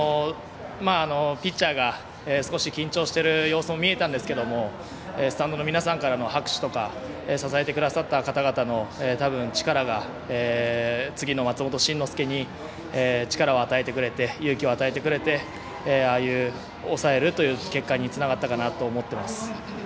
ピッチャーが少し緊張している様子も見えたんですけどもスタンドの皆さんからの拍手とか支えてくださった方々の力が次の松本慎之介に力を与えてくれて勇気を与えてくれてああいう抑えるという結果につながったかなと思ってます。